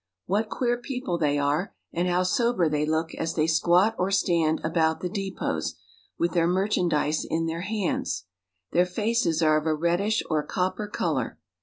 What queer people they are, and how sober they look as they squat or stand about the depots, with their merchan dise in their hands ! Their faces are of a reddish or copper color.